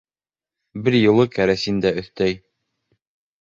Бер юлы кәрәсин дә өҫтәй.